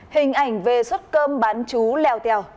hình ảnh về suất cơm bán chú leo teo